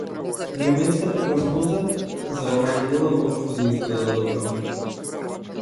Временската прогноза за оваа недела воопшто не изгледа добро.